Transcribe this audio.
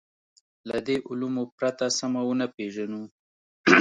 له دې علومو پرته سمه ونه پېژنو.